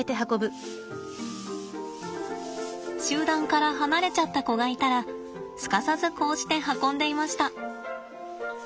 集団から離れちゃった子がいたらすかさずこうして運んでいました。